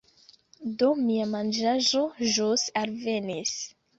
Do, nia manĝaĵo ĵus alvenis